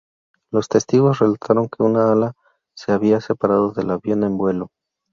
Los testigos relataron que un ala se había separado del avión en vuelo.